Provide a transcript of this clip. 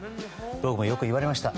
僕もよく言われました。